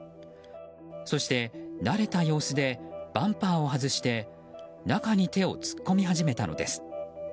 そして、慣れた様子でバンパーを外して中に手を突っ込み始めたのです。